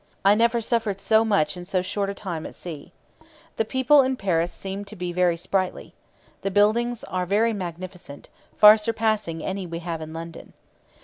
I never suffered so much in so short a time at sea. The people [in Paris] seem to be very sprightly. The buildings are very magnificent, far surpassing any we have in London.